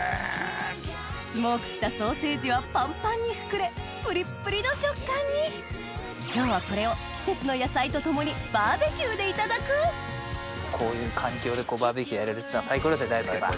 スモークしたソーセージはパンパンに膨れプリップリの食感に今日はこれを季節の野菜と共にバーベキューでいただくこういう環境でバーベキューやれるっていうのは最高ですね大輔さん。